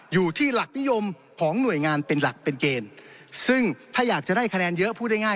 อยู่ที่หลักนิยมของหน่วยงานเป็นหลักเป็นเกณฑ์ซึ่งถ้าอยากจะได้คะแนนเยอะพูดง่ายง่าย